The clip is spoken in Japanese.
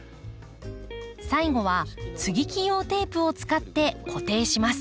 最後は接ぎ木用テープを使って固定します。